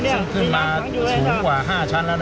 ซึ่งขึ้นมาสูงกว่า๕ชั้นแล้วนะ